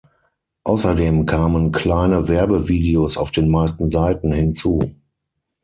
Außerdem kamen kleine Werbe-Videos auf den meisten Seiten hinzu.